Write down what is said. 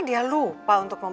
kamu akan jalan